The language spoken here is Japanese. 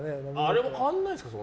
あれも変わらないんですか。